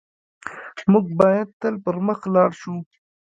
موږ بايد تل پر مخ لاړ شو.